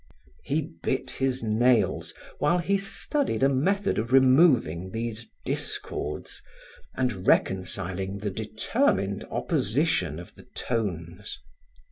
He bit his nails while he studied a method of removing these discords and reconciling the determined opposition of the tones.